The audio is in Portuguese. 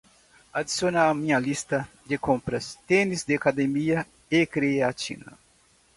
Adicione à minha lista de compras: tênis de academia e creatina